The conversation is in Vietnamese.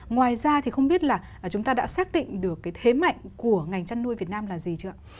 ngoài ra thì không biết là chúng ta đã xác định được cái thế mạnh của ngành chăn nuôi việt nam là gì chưa ạ